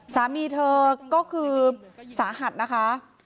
สามีเธอก็คือสาหัสนะคะ